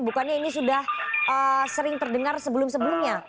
bukannya ini sudah sering terdengar sebelum sebelumnya